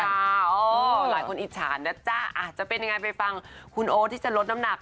หลายคนอิจฉานะจ๊ะอาจจะเป็นยังไงไปฟังคุณโอ๊ตที่จะลดน้ำหนัก